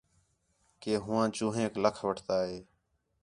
کہ ہوآں چوہینک لَکھ وٹھتا ہِے